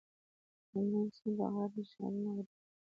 د هلمند سیند په غاړه ښارونه ودان وو